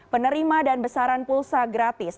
penerima dan besaran pulsa gratis